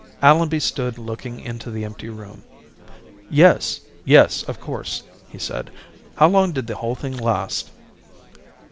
Allenby stood looking into the empty room. "Yes ... yes, of course," he said. "How long did the whole thing last?"